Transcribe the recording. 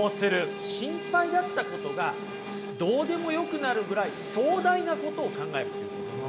心配だったことがどうでもよくなるぐらい壮大なことを考えるっていうことなんです。